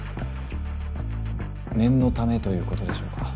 念の為ということでしょうか？